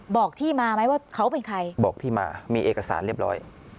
บอกที่มาไหมว่าเขาเป็นใครบอกที่มามีเอกสารเรียบร้อย